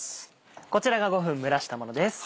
こちらが５分蒸らしたものです。